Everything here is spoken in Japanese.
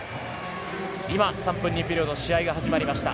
今、３分２ピリオド試合が始まりました。